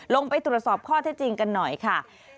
ลงไปตรวจสอบข้อเท็จจริงกันหน่อยค่ะ